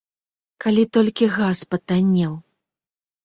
Калі толькі газ патаннеў!